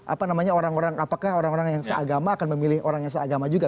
apakah orang orang yang seagama akan memilih orang yang seagama juga